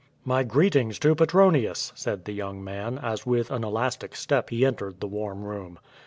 '^y greetings to Petronius,'^ said the young man, as with an elastic step he entered the warm room.